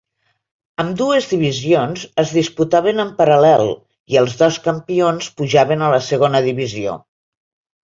Ambdues divisions es disputaven en paral·lel i els dos campions pujaven a la segona divisió.